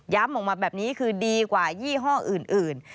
ออกมาแบบนี้คือดีกว่ายี่ห้ออื่น